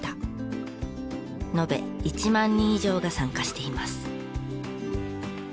延べ１万人以上が参加しています。